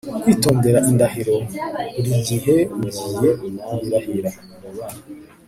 Kwitondera indahiro burigihe ugiye kuyirahira